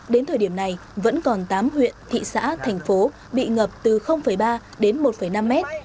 đến thời điểm này vẫn còn tám huyện thị xã thành phố bị ngập từ ba đến một năm mét